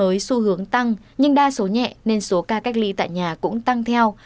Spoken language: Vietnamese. covid một mươi chín mới xu hướng tăng nhưng đa số nhẹ nên số ca cách ly tại nhà cũng tăng theo